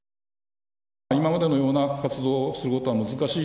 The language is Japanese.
今までのような活動をすることは難しい。